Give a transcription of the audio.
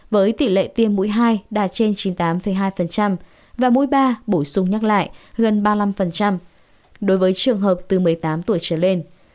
với tỷ lệ tiêm mũi hai đạt trên chín mươi tám hai và mũi ba bổ sung nhắc lại gần ba mươi năm đối với trường hợp từ một mươi tám tuổi trở lên